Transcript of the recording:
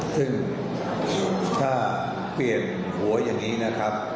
ซึ่งถ้าเปลี่ยนหัวอย่างนี้นะครับ